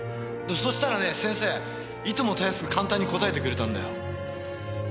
そうしたらね先生いともたやすく簡単に答えてくれたんだよ。